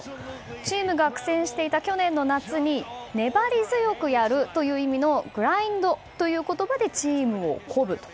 チームが苦戦していた去年の夏に粘り強くやる、という意味のｇｒｉｎｄという言葉でチームを鼓舞してると。